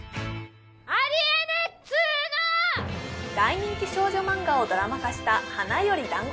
大人気少女マンガをドラマ化した「花より男子」